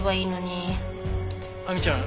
亜美ちゃん